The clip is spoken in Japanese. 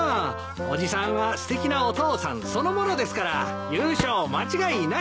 伯父さんはすてきなお父さんそのものですから優勝間違いなし！